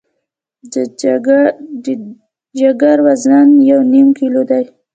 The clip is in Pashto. د جګر وزن یو نیم کیلو دی.